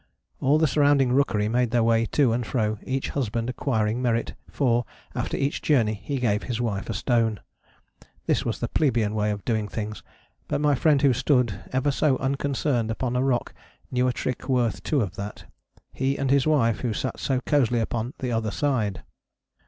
All the surrounding rookery made their way to and fro, each husband acquiring merit, for, after each journey, he gave his wife a stone. This was the plebeian way of doing things; but my friend who stood, ever so unconcerned, upon a rock knew a trick worth two of that: he and his wife who sat so cosily upon the other side.